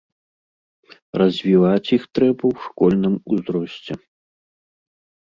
Развіваць іх трэба ў школьным узросце.